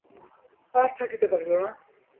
আর থাকিতে পারিল না।